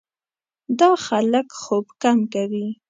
دا خلک خوب کم کوي.